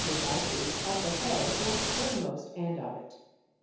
QI devices — at the head or sternmost end of it.